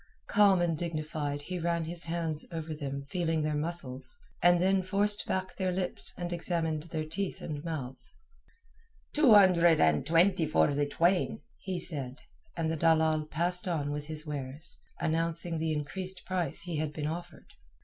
Calm and dignified he ran his hands over them feeling their muscles, and then forced back their lips and examined their teeth and mouths. "Two hundred and twenty for the twain," he said, and the dalal passed on with his wares, announcing the increased price he had been offered.